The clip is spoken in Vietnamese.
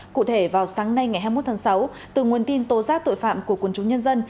cụ thể vào sáng nay ngày hai mươi một tháng sáu từ nguồn tin tố giác tội phạm của quân chúng nhân dân